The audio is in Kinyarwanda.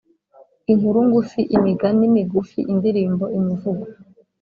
inkuru ngufi, imigani migufi, indirimbo, imivugo